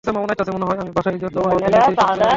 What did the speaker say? আমি বাসায় যত মদ এনেছি সব ফেলে দিয়েছি।